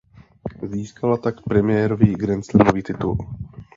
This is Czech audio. Získala tak premiérový grandslamový titul.